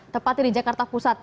tepatnya di jakarta pusat